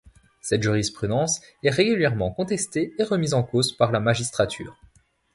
Cette jurisprudence est régulièrement contestée et remise en cause par la magistrature.